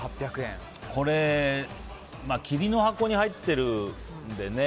これ、桐の箱に入ってるのでね